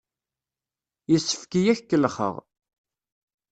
Yessefk-iyi ad k-kellexeɣ!